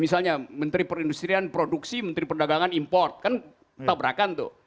misalnya menteri perindustrian produksi menteri perdagangan import kan tabrakan tuh